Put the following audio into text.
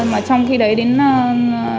mà trong khi đấy đến sáu tháng